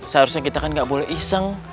seharusnya kita kan gak boleh iseng